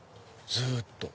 ずっと。